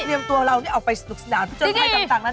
เคลียมตัวระหว่างเนี้ย